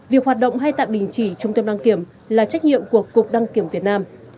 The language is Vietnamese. việc hoạt động hay tạm đình chỉ trung tâm đăng kiểm là trách nhiệm của cục đăng kiểm việt nam